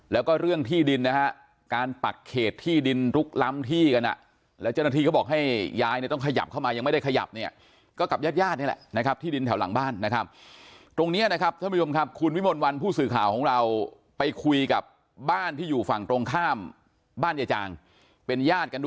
แล้วก็เรื่องที่ดินนะฮะการปรัดเขตที่ดินลุกล้ำที่กัน